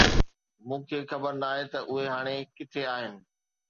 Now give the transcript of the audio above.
مون کي خبر ناهي ته اهي هاڻي ڪٿي آهن.